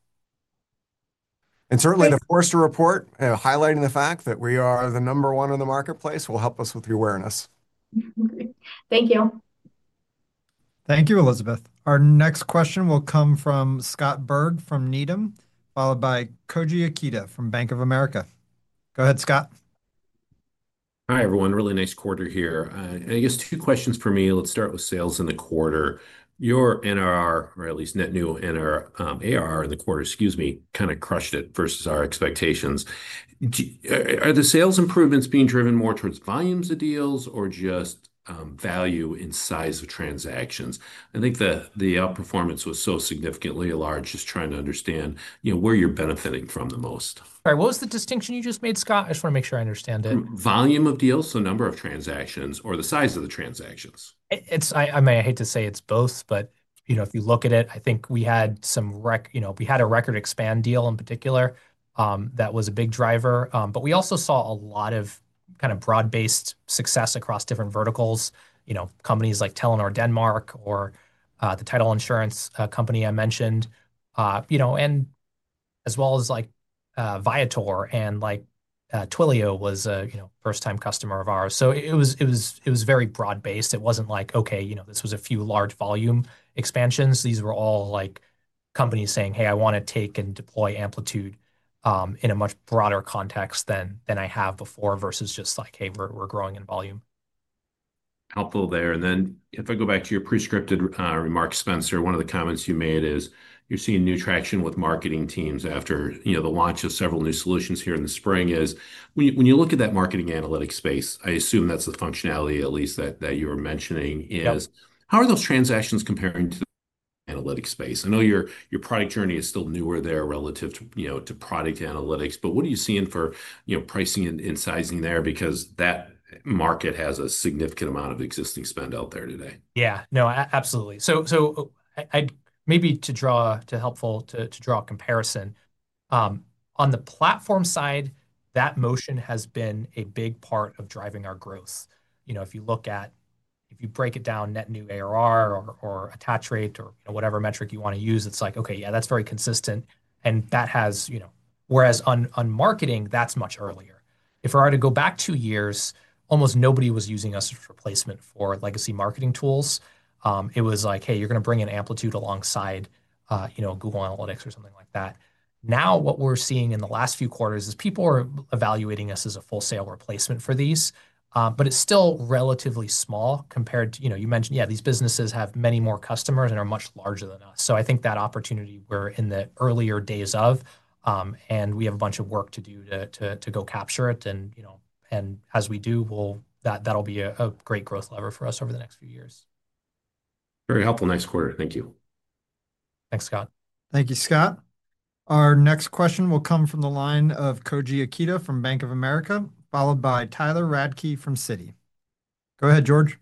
Certainly, the Forrester report, highlighting the fact that we are the number one in the marketplace will help us with the awareness. Thank you. Thank you, Elizabeth. Our next question will come from Scott Berg from Needham, followed by Koji Ikeda from Bank of America. Go ahead, Scott. Hi everyone. Really nice quarter here. I guess two questions for me. Let's start with sales in the quarter. Your NRR, or at least net new NRR ARR in the quarter, excuse me, kind of crushed it versus our expectations. Are the sales improvements being driven more towards volumes of deals or just value in size of transactions? I think the outperformance was so significantly large, just trying to understand where you're benefiting from the most. What was the distinction you just made, Scott? I just want to make sure I understand it. Volume of deals, so number of transactions, or the size of the transactions? I hate to say it's both, but if you look at it, I think we had a record expand deal in particular that was a big driver. We also saw a lot of broad-based success across different verticals, companies like Telenor Denmark or the title insurance company I mentioned, as well as Viator, and Twilio was a first-time customer of ours. It was very broad-based. It wasn't like, okay, this was a few large volume expansions. These were all companies saying, hey, I want to take and deploy Amplitude in a much broader context than I have before versus just, hey, we're growing in volume. Helpful there. If I go back to your pre-scripted remark, Spenser, one of the comments you made is you're seeing new traction with marketing teams after the launch of several new solutions here in the spring. When you look at that marketing analytics space, I assume that's the functionality at least that you were mentioning. How are those transactions comparing to the analytics space? I know your product journey is still newer there relative to product analytics, but what are you seeing for pricing and sizing there? That market has a significant amount of existing spend out there today. Yeah, no, absolutely. Maybe to draw a comparison, on the platform side, that motion has been a big part of driving our growth. If you look at, if you break it down net new ARR or attach rate or whatever metric you want to use, it's like, okay, yeah, that's very consistent. That has, whereas on marketing, that's much earlier. If we were to go back two years, almost nobody was using us for replacement for legacy marketing tools. It was like, hey, you're going to bring in Amplitude alongside, you know, Google Analytics or something like that. Now what we're seeing in the last few quarters is people are evaluating us as a wholesale replacement for these, but it's still relatively small compared to, you know, you mentioned, yeah, these businesses have many more customers and are much larger than us. I think that opportunity we're in the earlier days of, and we have a bunch of work to do to go capture it. As we do, that'll be a great growth lever for us over the next few years. Very helpful. Next quarter, thank you. Thanks, Scott. Thank you, Scott. Our next question will come from the line of Koji Ikeda from Bank of America, followed by Tyler Radke from Citi. Go ahead, George.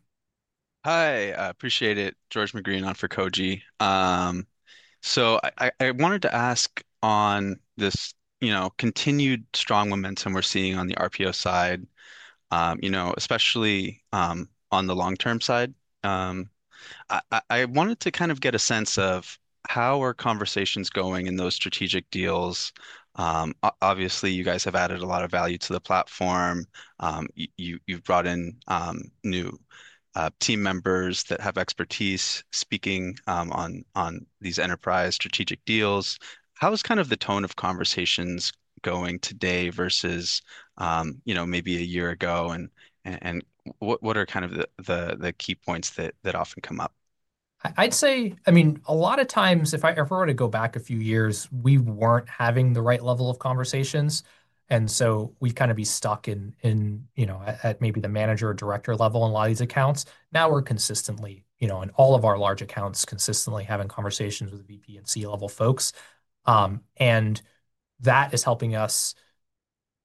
Hi, I appreciate it. George McGreehan, on for Koji. I wanted to ask on this continued strong momentum we're seeing on the RPO side, especially on the long-term side. I wanted to get a sense of how are conversations going in those strategic deals? Obviously, you guys have added a lot of value to the platform. You've brought in new team members that have expertise speaking on these enterprise strategic deals. How is the tone of conversations going today versus maybe a year ago? What are the key points that often come up? I'd say, a lot of times, if I were to go back a few years, we weren't having the right level of conversations. We'd kind of be stuck at maybe the manager or director level in a lot of these accounts. Now we're consistently, in all of our large accounts, consistently having conversations with the VP or C-level folks. That is helping us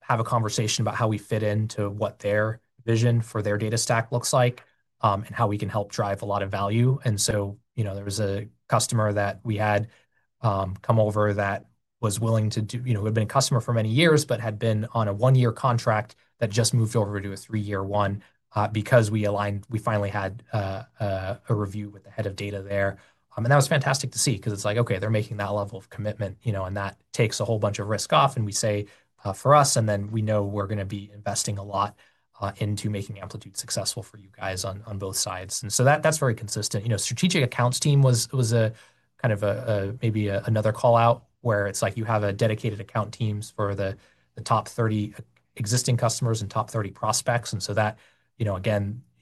have a conversation about how we fit into what their vision for their data stack looks like and how we can help drive a lot of value. There was a customer that we had come over that was willing to do, who had been a customer for many years, but had been on a one-year contract that just moved over to a three-year one because we aligned. We finally had a review with the head of data there. That was fantastic to see because it's like, okay, they're making that level of commitment, and that takes a whole bunch of risk off for us. Then we know we're going to be investing a lot into making Amplitude successful for you guys on both sides. That is very consistent. Strategic accounts team was maybe another call out where you have a dedicated account team for the top 30 existing customers and top 30 prospects.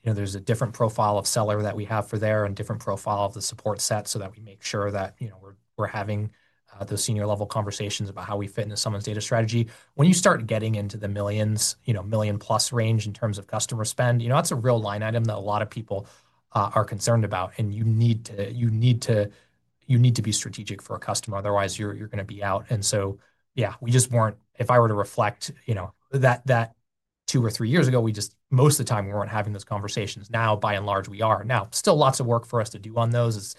There's a different profile of seller that we have for there and a different profile of the support set so that we make sure that we're having those senior level conversations about how we fit into someone's data strategy. When you start getting into the millions, million-plus range in terms of customer spend, that's a real line item that a lot of people are concerned about. You need to be strategic for a customer. Otherwise, you're going to be out. If I were to reflect, two or three years ago, most of the time we weren't having those conversations. Now, by and large, we are. Still lots of work for us to do on those,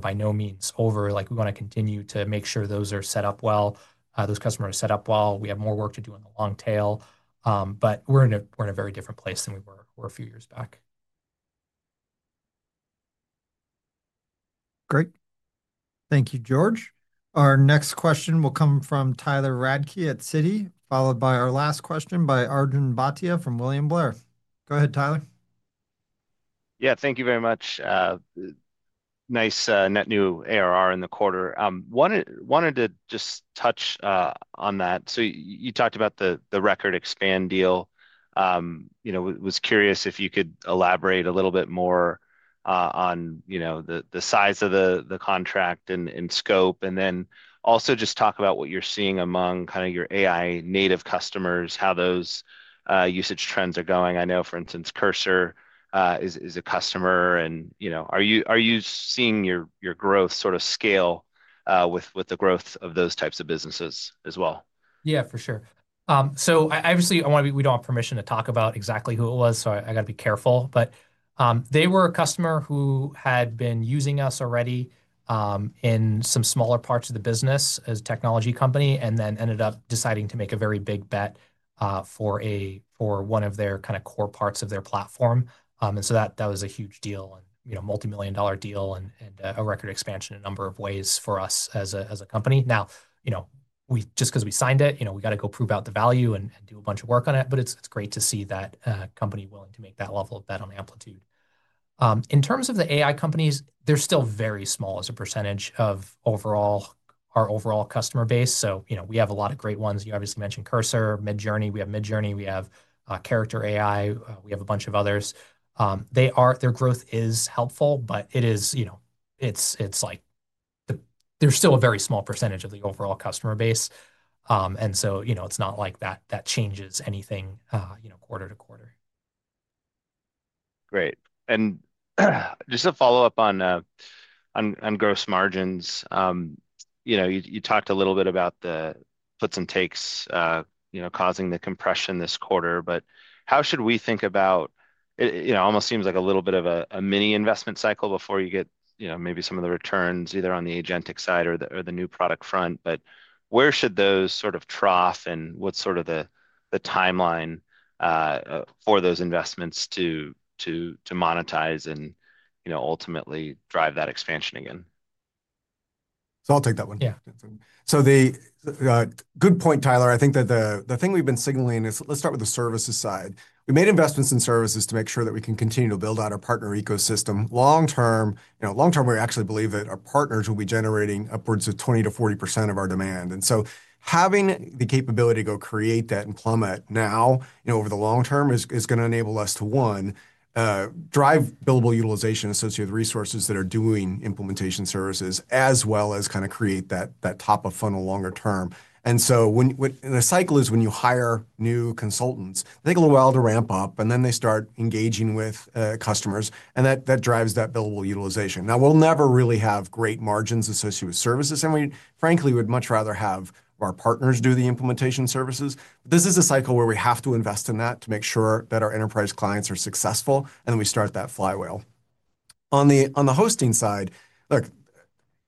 by no means over. We want to continue to make sure those are set up well. Those customers are set up well. We have more work to do on the long tail. We're in a very different place than we were a few years back. Thank you, George. Our next question will come from Tyler Radke at Citi, followed by our last question by Arjun Bhatia from William Blair. Go ahead, Tyler. Yeah, thank you very much. Nice net new ARR in the quarter. Wanted to just touch on that. You talked about the record expand deal. I was curious if you could elaborate a little bit more on the size of the contract and scope. Also, just talk about what you're seeing among kind of your AI native customers, how those usage trends are going. I know, for instance, Cursor is a customer. Are you seeing your growth sort of scale with the growth of those types of businesses as well? Yeah, for sure. Obviously, I want to be, we don't have permission to talk about exactly who it was, so I got to be careful. They were a customer who had been using us already in some smaller parts of the business as a technology company and then ended up deciding to make a very big bet for one of their kind of core parts of their platform. That was a huge deal, a multimillion-dollar deal and a record expansion in a number of ways for us as a company. Now, just because we signed it, we got to go prove out the value and do a bunch of work on it. It's great to see that company willing to make that level of bet on Amplitude. In terms of the AI companies, they're still very small as a percentage of our overall customer base. We have a lot of great ones. You obviously mentioned Cursor, Midjourney. We have Midjourney. We have Character.AI. We have a bunch of others. Their growth is helpful, but it is, they're still a very small percentage of the overall customer base. It's not like that changes anything quarter to quarter. Great. Just to follow up on gross margins, you talked a little bit about the puts and takes causing the compression this quarter. How should we think about, it almost seems like a little bit of a mini investment cycle before you get maybe some of the returns either on the agentic side or the new product front. Where should those sort of trough and what's the timeline for those investments to monetize and ultimately drive that expansion again? I'll take that one. Good point, Tyler. I think that the thing we've been signaling is let's start with the services side. We made investments in services to make sure that we can continue to build out our partner ecosystem. Long-term, we actually believe that our partners will be generating upwards of 20%-40% of our demand. Having the capability to go create that and plummet now, over the long-term, is going to enable us to, one, drive billable utilization associated with resources that are doing implementation services, as well as kind of create that top of funnel longer-term. When the cycle is when you hire new consultants, they go a little while to ramp up and then they start engaging with customers. That drives that billable utilization. We'll never really have great margins associated with services, and we frankly would much rather have our partners do the implementation services. This is a cycle where we have to invest in that to make sure that our enterprise clients are successful. Then we start that flywheel. On the hosting side,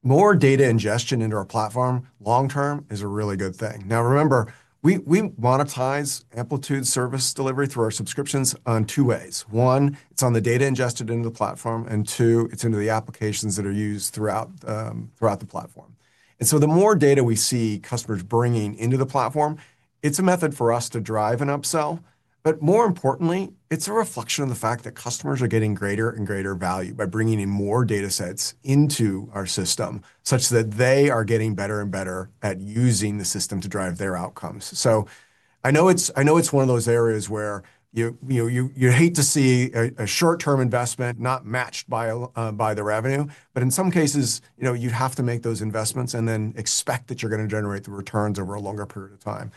more data ingestion into our platform long-term is a really good thing. Remember, we monetize Amplitude service delivery through our subscriptions in two ways. One, it's on the data ingested into the platform. Two, it's into the applications that are used throughout the platform. The more data we see customers bringing into the platform, it's a method for us to drive an upsell. More importantly, it's a reflection of the fact that customers are getting greater and greater value by bringing in more data sets into our system, such that they are getting better and better at using the system to drive their outcomes. I know it's one of those areas where you hate to see a short-term investment not matched by the revenue. In some cases, you have to make those investments and then expect that you're going to generate the returns over a longer period of time.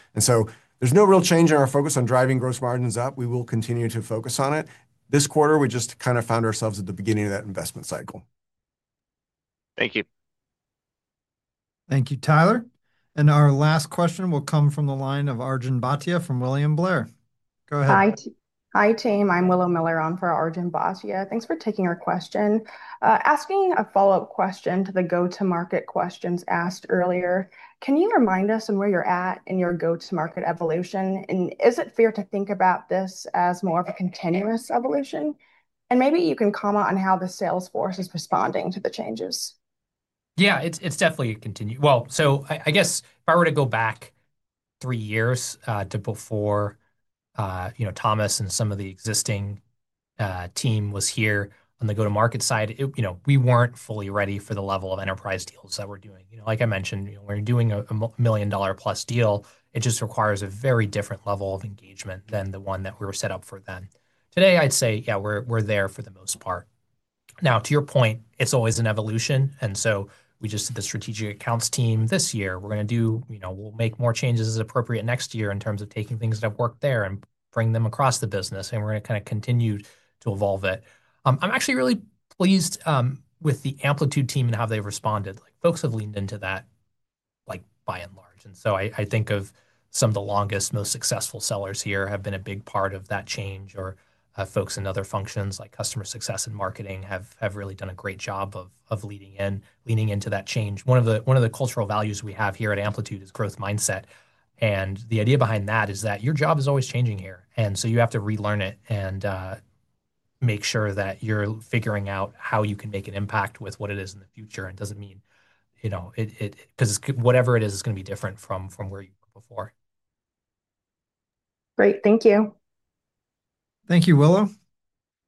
There's no real change in our focus on driving gross margins up. We will continue to focus on it. This quarter, we just kind of found ourselves at the beginning of that investment cycle. Thank you. Thank you, Tyler. Our last question will come from the line of Arjun Bhatia from William Blair. Go ahead. Hi, team. I'm Willow Miller on for Arjun Bhatia. Thanks for taking our question. Asking a follow-up question to the go-to-market questions asked earlier, can you remind us on where you're at in your go-to-market evolution? Is it fair to think about this as more of a continuous evolution? Maybe you can comment on how the sales force is responding to the changes. Yeah, it's definitely a continuous process. If I were to go back three years to before, you know, Thomas and some of the existing team was here on the go-to-market side, we weren't fully ready for the level of enterprise deals that we're doing. Like I mentioned, when you're doing a $1+ million deal, it just requires a very different level of engagement than the one that we were set up for then. Today, I'd say we're there for the most part. To your point, it's always an evolution. We just did the strategic accounts team this year. We're going to make more changes as appropriate next year in terms of taking things that have worked there and bringing them across the business. We're going to continue to evolve it. I'm actually really pleased with the Amplitude team and how they've responded. Folks have leaned into that, by and large. I think some of the longest, most successful sellers here have been a big part of that change. Or folks in other functions, like customer success and marketing, have really done a great job of leading into that change. One of the cultural values we have here at Amplitude is growth mindset. The idea behind that is that your job is always changing here. You have to relearn it and make sure that you're figuring out how you can make an impact with what it is in the future. It doesn't mean, because whatever it is, it's going to be different from where you were before. Great. Thank you. Thank you, Willow.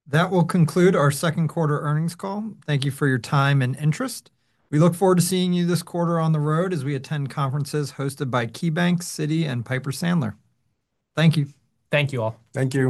That will conclude our second quarter earnings call. Thank you for your time and interest. We look forward to seeing you this quarter on the road as we attend conferences hosted by KeyBanc, Citi, and Piper Sandler. Thank you. Thank you all. Thank you.